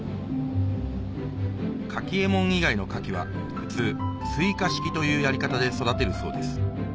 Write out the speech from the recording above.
カキえもん以外のカキは普通垂下式というやり方で育てるそうです